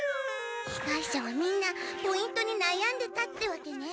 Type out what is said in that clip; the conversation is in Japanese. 被害者はみんなポイントに悩んでたってわけね。